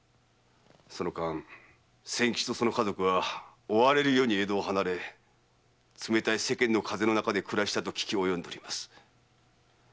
その間仙吉とその家族は追われるように江戸を離れ冷たい世間の風の中で暮らしたと聞き及んでいます。